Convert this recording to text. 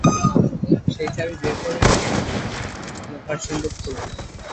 সেই চাবি বের করে নিয়ে লোহার সিন্দুক খুললুম।